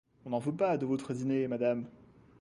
On n'en veut pas de votre dîner, madame.